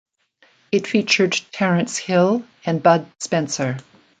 It featured Terence Hill and Bud Spencer.